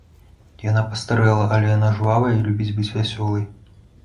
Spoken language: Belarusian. Яна пастарэла, але яна жвавая і любіць быць вясёлай.